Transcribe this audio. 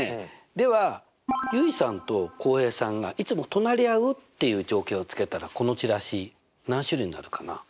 では結衣さんと浩平さんがいつも隣り合うっていう条件をつけたらこのチラシ何種類になるかな？